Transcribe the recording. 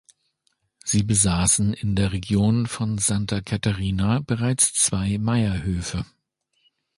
Sie besaßen in der Region von Santa Catarina bereits zwei Meierhöfe.